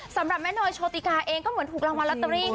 สำหรับแม่เนยโชติกาเองก็เหมือนถูกรางวัลลอตเตอรี่